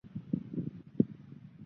注定无法跳脱